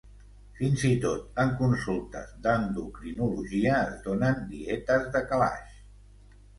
Fins i tot en consultes d’endocrinologia es donen «dietes de calaix».